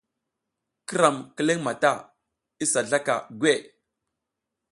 Ki ram kileƞ mata isa zlaka gweʼe.